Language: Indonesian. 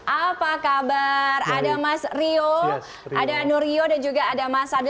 apa kabar ada mas rio ada nurio dan juga ada mas ade